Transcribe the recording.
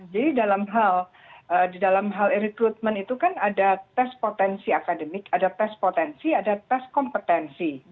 jadi dalam hal di dalam hal recruitment itu kan ada tes potensi akademik ada tes potensi ada tes kompetensi